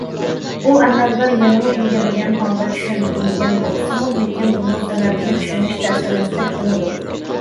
بۇ ئەمەلدار يەنىمۇ ئىلگىرىلىگەن ھالدا چۈشەندۈرمىگەن بولسىمۇ، لېكىن بۇنىڭ سەۋەبىنى چۈشىنىش تەس ئەمەستەك قىلىدۇ.